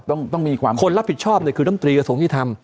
ต้องต้องมีความคนรับผิดชอบเนี่ยคือร้านอิมตรีกระสบครองคิดทำ